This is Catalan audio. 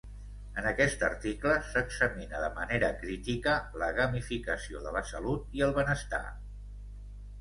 En aquest article, s’examina de manera crítica la gamificació de la salut i el benestar.